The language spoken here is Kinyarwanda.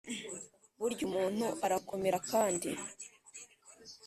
burya umuntu arakomera kandi